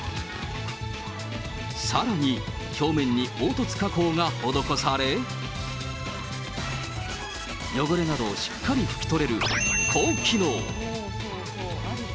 さらに、表面に凹凸加工が施され、汚れなどをしっかり拭き取れる高機能。